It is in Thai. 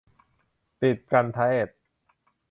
ติดกัณฑ์เทศน์